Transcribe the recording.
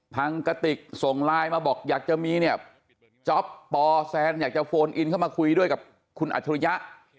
กระติกส่งไลน์มาบอกอยากจะมีเนี่ยจ๊อปปแซนอยากจะโฟนอินเข้ามาคุยด้วยกับคุณอัจฉริยะ